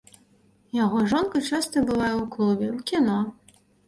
Яго жонка часта бывае ў клубе, у кіно.